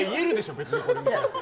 別に。